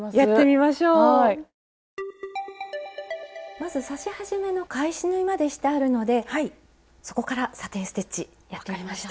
まず刺し始めの返し縫いまでしてあるのでそこからサテン・ステッチやってみましょう。